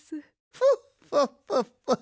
フォッフォッフォッフォッ。